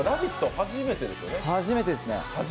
初めてですよね。